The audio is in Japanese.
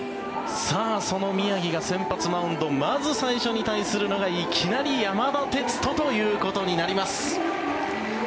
さあ、その宮城が先発マウンドまず最初に対するのがいきなり山田哲人ということになります。